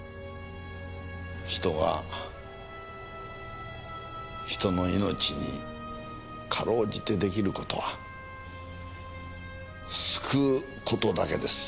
人が人の命にかろうじて出来る事は救う事だけです。